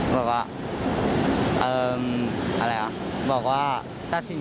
สัญญาว่าไหน